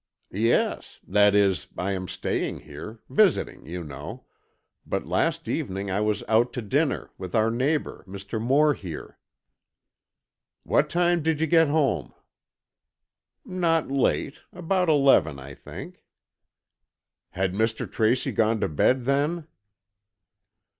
"Yes,—that is, I am staying here, visiting, you know,—but last evening I was out to dinner, with our neighbour, Mr. Moore here." "What time did you get home?" "Not late; about eleven, I think." "Had Mr. Tracy gone to bed then?"